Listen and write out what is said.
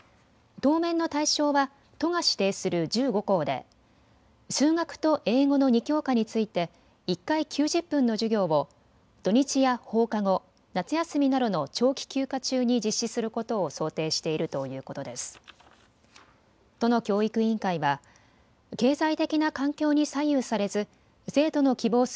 当面の対象は都が指定する１５校で数学と英語の２教科について１回９０分の授業を土日や放課後、夏休みなどの長期休暇中に実施することを想定しているということです。